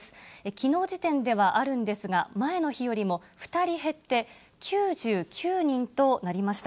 きのう時点ではあるんですが、前の日よりも２人減って、９９人となりました。